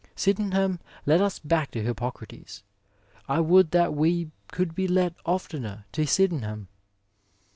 *' Sydenham led us back to Hippo crates, I would that we could be led oftener to Sydenham